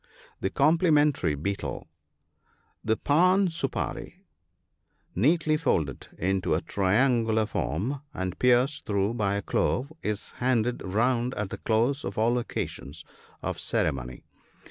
(9i.) The complimentary betel. — The " pan sooparee " (see note 83), neatly folded into a triangular form, and pierced through by a clove, is handed round at the close of all occasions of ceremony.